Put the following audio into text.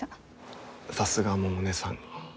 さすが百音さん。